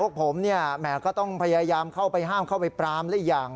พวกผมเนี่ยแหมก็ต้องพยายามเข้าไปห้ามเข้าไปปรามหรืออย่าง